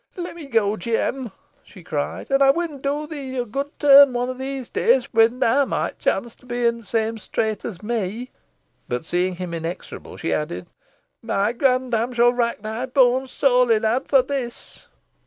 "Lemme go, Jem," she cried, "an ey win do thee a good turn one o' these days, when theaw may chonce to be i' th' same strait os me." But seeing him inexorable, she added, "My granddame shan rack thy boans sorely, lad, for this."